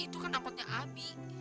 itu kan apotnya abi